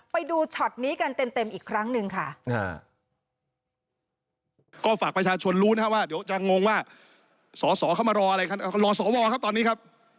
ไปดูฉอตนี้กันเต็มอีกครั้งหนึ่งค่ะ